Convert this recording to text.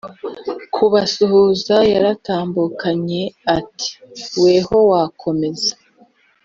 kubasuhuza yatambukanye ati"weho wakomeza